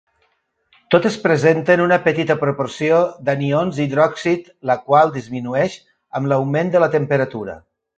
Totes presenten una petita proporció d'anions hidròxid, la qual disminueix amb l'augment de la temperatura.